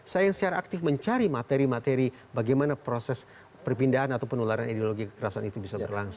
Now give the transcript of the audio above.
saya yang secara aktif mencari materi materi bagaimana proses perpindahan atau penularan ideologi kekerasan itu bisa berlangsung